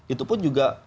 itu pun juga